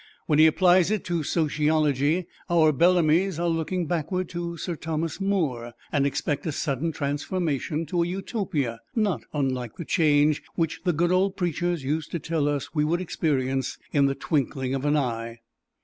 When he applies it to sociology our Bellamys are looking backward to Sir Thomas More, and expect a sudden transformation to a Utopia, not unlike the change which the good old preachers used to tell us we would experience "in the twinkling of an eye."